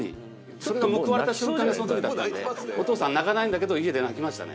それが報われた瞬間がその時だったんでお父さん泣かないんだけど家で泣きましたね。